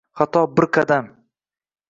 Хато – бир қадам.